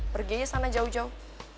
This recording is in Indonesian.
perginya sana jauh jauh